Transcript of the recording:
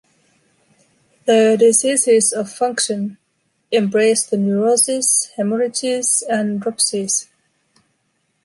The diseases of function..embrace the neuroses, hemorrhages, and dropsies.